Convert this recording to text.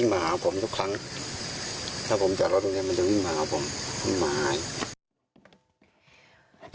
ทีมข่าวเราก็เลยมีการไปคุยกับครอบครัวผู้เสียชีวิต